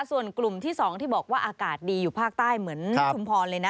ส่วนกลุ่มที่๒ที่บอกว่าอากาศดีอยู่ภาคใต้เหมือนชุมพรเลยนะ